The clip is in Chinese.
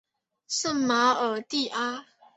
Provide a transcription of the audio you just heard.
圣马尔蒂阿。